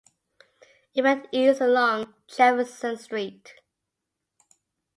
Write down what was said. It ran east along Jefferson Street.